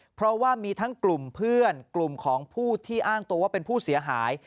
เพราะว่ามีทั้งกลุ่มเพื่อนกลุ่มของผู้ที่อ้างตัวว่าเป็นผู้เสียหาย